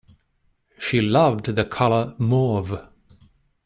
She loved the color mauve.